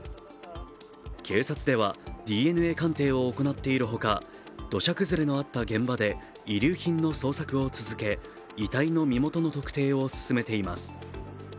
警察ではＤＮＡ鑑定を行っているほか土砂崩れのあった現場で遺留品の捜索を続け遺体の身元の特定を進めています。